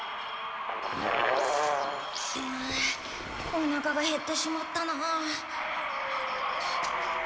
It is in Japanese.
おなかがへってしまったなあ。